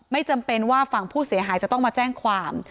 จำเป็นว่าฝั่งผู้เสียหายจะต้องมาแจ้งความ